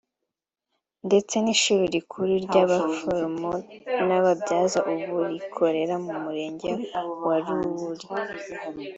ndetse n’ishuri rikuru ry’abaforomo n’ababyaza ubu rikorera mu murenge wa Ruli